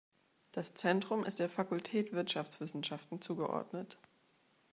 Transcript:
Das Zentrum ist der Fakultät Wirtschaftswissenschaften zugeordnet.